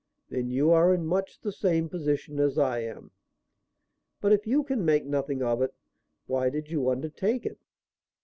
"Then you are in much the same position as I am." "But, if you can make nothing of it, why did you undertake it?"